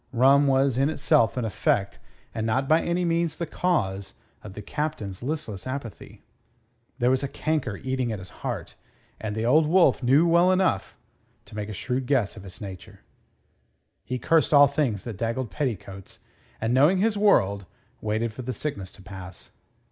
Rum was in itself an effect, and not by any means the cause of the Captain's listless apathy. There was a canker eating at his heart, and the Old Wolf knew enough to make a shrewd guess of its nature. He cursed all things that daggled petticoats, and, knowing his world, waited for the sickness to pass.